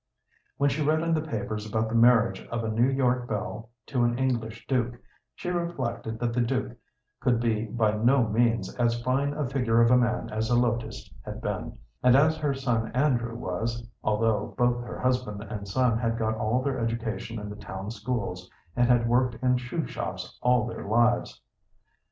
When she read in the papers about the marriage of a New York belle to an English duke, she reflected that the duke could be by no means as fine a figure of a man as Zelotes had been, and as her son Andrew was, although both her husband and son had got all their education in the town schools, and had worked in shoe shops all their lives.